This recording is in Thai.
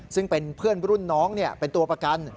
ซึ่งเป็นเพื่อนรุ่นน้องเป็นตัวประกัน